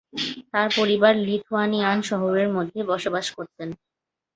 তার পরিবার লিথুয়ানিয়ান শহর মধ্যে বসবাস করতেন।